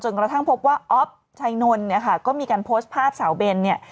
กระทั่งพบว่าอ๊อฟชัยนนท์เนี่ยค่ะก็มีการโพสต์ภาพสาวเบนเนี่ย